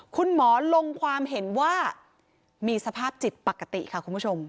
คุณหมอลงความเห็นว่ามีสภาพจิตปกติค่ะคุณผู้ชม